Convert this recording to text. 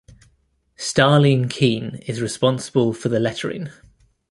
Starling Keene is responsible for the lettering.